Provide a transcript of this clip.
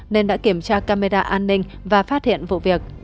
nên đã kiểm tra camera an ninh và phát hiện vụ việc